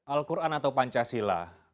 al qur'an atau pancasila